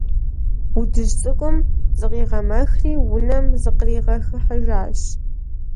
Удыжь цӀыкӀум зыкъигъэмэхри унэм зыкъригъэхьыжащ.